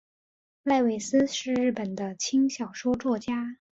濑尾司是日本的轻小说作家。